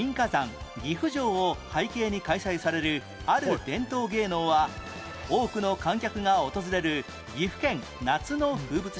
岐阜城を背景に開催されるある伝統芸能は多くの観客が訪れる岐阜県夏の風物詩